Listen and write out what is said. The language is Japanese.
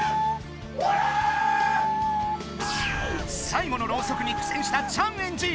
最後のろうそくにくせんしたチャンエンジ！